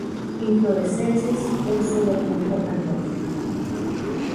Inflorescencias un solo punto andrógino.